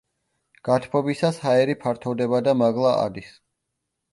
გათბობისას ჰაერი ფართოვდება და მაღლა ადის.